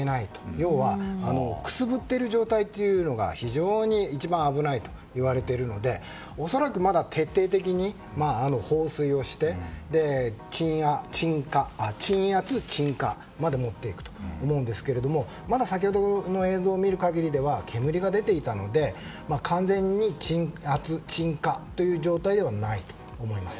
要はくすぶっている状態が非常に一番危ないといわれているので恐らく、まだ徹底的に放水をして鎮圧・鎮火まで持っていくと思うんですがまだ先ほどの映像を見る限りでは煙が出ていたので完全に鎮圧・鎮火という状態ではないと思います。